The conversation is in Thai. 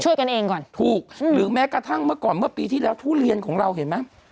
กันเองก่อนถูกหรือแม้กระทั่งเมื่อก่อนเมื่อปีที่แล้วทุเรียนของเราเห็นไหม